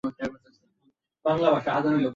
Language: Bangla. ধ্যানই অধ্যাত্মজীবনের সর্বাপেক্ষা অধিক সহায়ক।